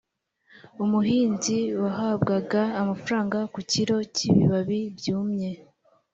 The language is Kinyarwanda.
umuhinzi wahabwaga amafaranga ku kilo cy’ibibabi byumye